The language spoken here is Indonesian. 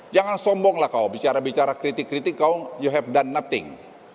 jangan sombong lah kau bicara bicara kritik kritik kau you have dan nothing